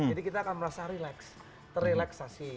jadi kita akan merasa relax ter relaxasi